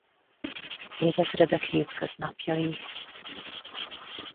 Évezredek hétköznapjai.